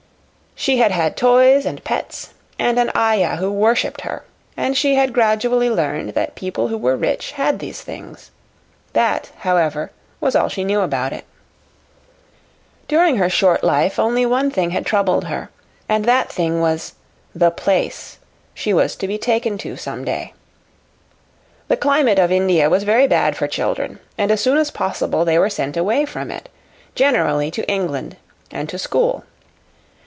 She had had toys and pets and an ayah who worshipped her, and she had gradually learned that people who were rich had these things. That, however, was all she knew about it. During her short life only one thing had troubled her, and that thing was "the place" she was to be taken to some day. The climate of India was very bad for children, and as soon as possible they were sent away from it generally to England and to school.